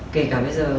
kể cả bây giờ